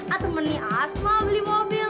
aduh menias mau beli mobil